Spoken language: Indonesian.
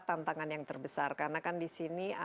tantangan yang terbesar karena kan disini